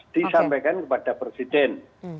disampaikan kepada presiden